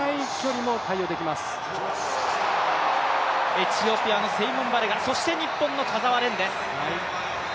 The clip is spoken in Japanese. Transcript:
エチオピアのバレガ、そして日本の田澤廉です。